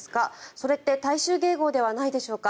それって大衆迎合ではないでしょうか？